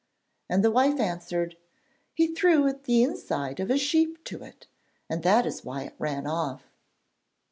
And the wife answered: 'He threw the inside of a sheep to it, and that is why it ran off.'